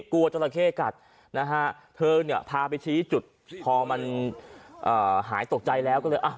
จราเข้กัดนะฮะเธอเนี่ยพาไปชี้จุดพอมันหายตกใจแล้วก็เลยอ่ะ